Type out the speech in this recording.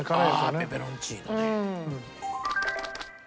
ああペペロンチーノね。